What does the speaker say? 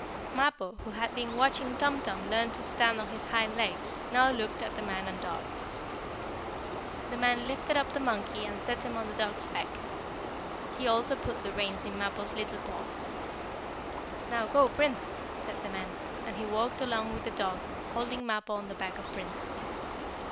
Mappo, who had been watching Tum Tum learn to stand on his hind legs, now looked at the man and dog. The man lifted up the monkey and set him on the dog's back. He also put the reins in Mappo's little paws. "Now go, Prince!" said the man, and he walked along with the dog, holding Mappo on the back of Prince.